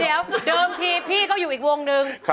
เดี๋ยวเดิมทีพี่ก็อยู่อีกวงนึง